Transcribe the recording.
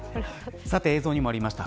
さて映像にもありました